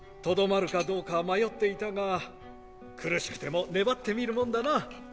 とどまるかどうか迷っていたが苦しくても粘ってみるもんだな。